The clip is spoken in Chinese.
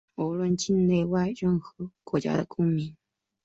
无论境内外、任何国家公民